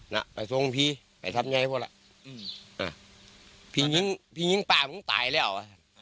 น่ะไปทรงพี่ไปทำยังไงพอล่ะอืมอ่ะพี่ยิงพี่ยิงป้ามึงตายแล้ว